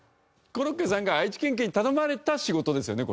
コロッケさんが愛知県警に頼まれた仕事ですよね？